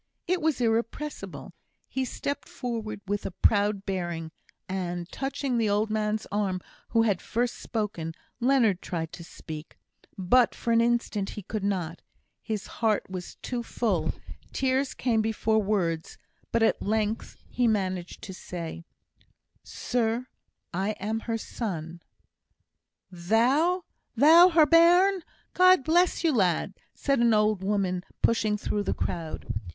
It was irrepressible. He stepped forward with a proud bearing, and touching the old man's arm who had first spoken, Leonard tried to speak; but for an instant he could not, his heart was too full: tears came before words, but at length he managed to say: "Sir, I am her son!" "Thou! thou her bairn! God bless you, lad," said an old woman, pushing through the crowd.